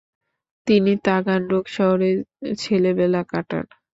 তিনি তাগানরোগ শহরে ছেলেবেলা কাটান।